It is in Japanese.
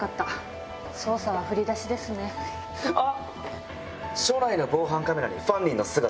あっ！